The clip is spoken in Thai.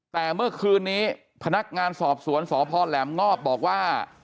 แต่เมื่อคืนนี้พนักงานสอบสวนสพแหลมงอบบอกว่า